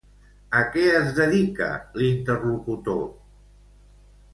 A què es dedica, l'interlocutor?